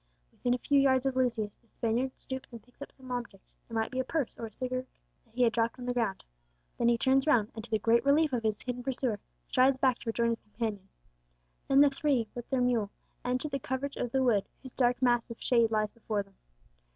Within a few yards of Lucius the Spaniard stoops and picks up some object, it might be a purse or a cigar case, that he had dropped on the ground. Then he turns round, and, to the great relief of his hidden pursuer, strides back to rejoin his companions. Then the three, with their mule, enter the covert of the wood, whose dark mass of shade lies before them.